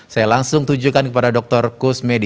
saya langsung tujukan kepada dr kusmedi